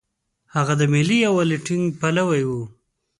هغه د ملي یووالي ټینګ پلوی و.